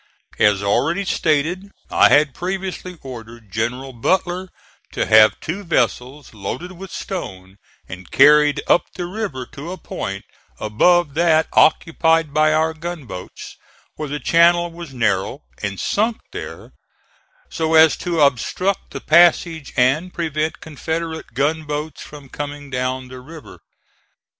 As already stated, I had previously ordered General Butler to have two vessels loaded with stone and carried up the river to a point above that occupied by our gunboats, where the channel was narrow, and sunk there so as to obstruct the passage and prevent Confederate gunboats from coming down the river.